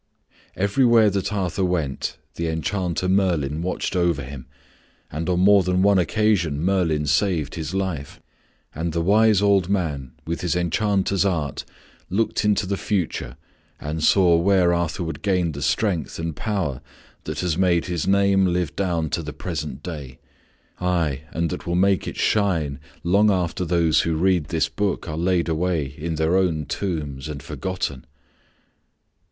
Everywhere that Arthur went the enchanter Merlin watched over him, and on more than one occasion Merlin saved his life. And the wise old man with his enchanter's art looked into the future and saw where Arthur would gain the strength and power that has made his name live down to the present day, aye, and that will make it shine long after those who read this book are laid away in their own tombs and forgotten!